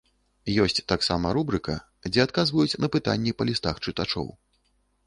Ёсць таксама рубрыка, дзе адказваюць на пытанні па лістах чытачоў.